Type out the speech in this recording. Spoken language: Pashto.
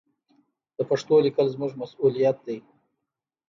د پښتو لیکل زموږ مسوولیت دی.